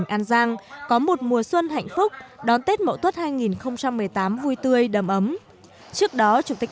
an giang có một mùa xuân hạnh phúc đón tết mậu tuất hai nghìn một mươi tám vui tươi đầm ấm trước đó chủ tịch